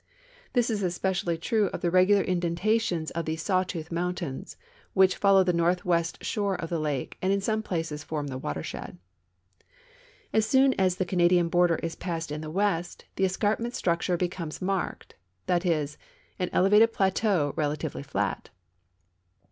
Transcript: This is especially true of the regular indentations of the " Sawtooth mountains," which follow the northwest shore of the lake and in some places form the watershed. As soon as the Canadian border is passed in the west, the escarpment structure becomes marked^that is, an elevated plateau, relatively flat.